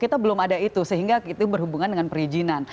kita belum ada itu sehingga itu berhubungan dengan perizinan